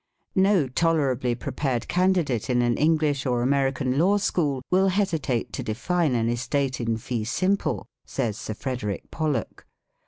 "No tolerably prepared candidate in an English or American law school will hesitate to define an estate in fee simple," says Sir Frederick Pollock.